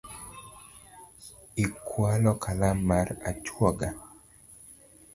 Ikualo kalam mar ajuoga?